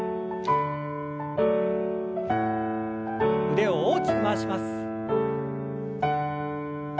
腕を大きく回します。